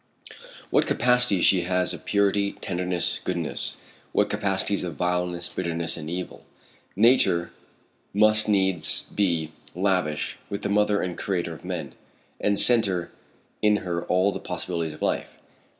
What capacities she has of purity, tenderness, goodness; what capacities of vileness, bitterness and evil. Nature must needs be lavish with the mother and creator of men, and centre in her all the possibilities of life.